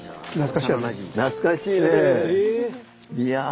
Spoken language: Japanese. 懐かしいね！